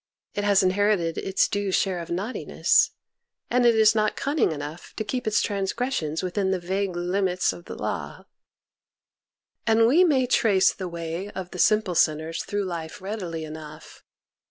It has inherited its due share of naughtiness, and it is not cunning enough to keep its transgres sions within the vague limits of the law. And we may trace the way of the simple sinners through life readily enough.